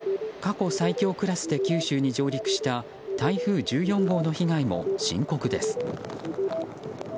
一方、過去最強クラスで九州に上陸した台風１４号の被害も深刻です。